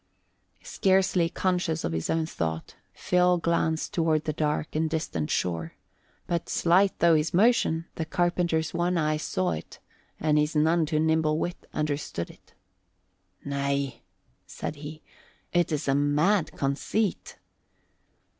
Scarcely conscious of his own thought, Phil glanced toward the dark and distant shore; but, slight though his motion, the carpenter's one eye saw it and his none too nimble wit understood it. "Nay," said he, "it is a mad conceit."